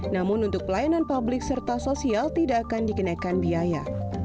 namun untuk pelayanan publik serta sosial tidak akan dikenakan biaya